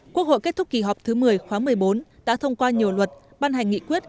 quốc hội kết thúc kỳ họp thứ một mươi khóa một mươi bốn đã thông qua nhiều luật ban hành nghị quyết